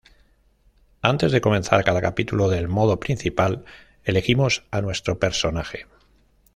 Antes de comenzar cada capítulo del modo principal, elegimos a nuestro personaje.